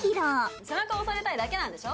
背中押されたいだけなんでしょ？